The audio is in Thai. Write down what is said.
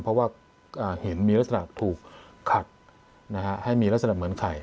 เพราะว่าเห็นมีลักษณะถูกขัดให้มีลักษณะเหมือนไข่